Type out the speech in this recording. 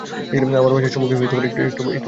আমার বাসার সম্মুখে একটু বাগানের মতো ছিল।